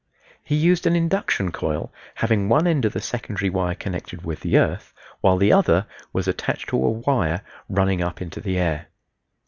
He used an induction coil having one end of the secondary wire connected with the earth, while the other was attached to a wire running up into the air.